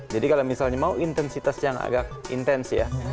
jadi kalau misalnya mau intensitas yang agak intens ya